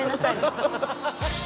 ハハハハ！